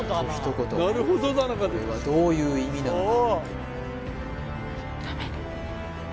これはどういう意味なのか？